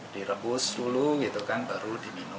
direbus dulu gitu kan baru diminum